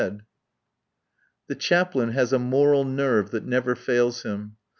The Chaplain has a moral nerve that never fails him.